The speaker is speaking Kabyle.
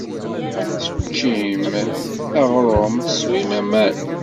Teččim aɣrum, teswim aman.